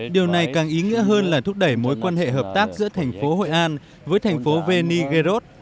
điều này càng ý nghĩa hơn là thúc đẩy mối quan hệ hợp tác giữa thành phố hội an với thành phố veni geort